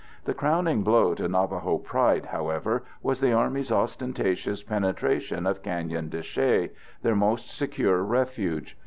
The crowning blow to Navajo pride, however, was the Army's ostentatious penetration of Canyon de Chelly, their most secure refuge.